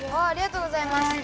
ありがとうございます。